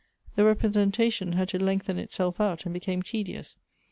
The representation liad to lengthen itself out and became tedious.